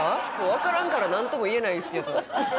わからんからなんとも言えないんですけど。